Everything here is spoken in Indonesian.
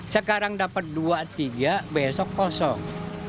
sekarang dapat dua tiga besok kosong